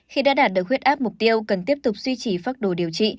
khi đã đạt được huyết áp mục tiêu cần tiếp tục duy trì pháp đồ điều trị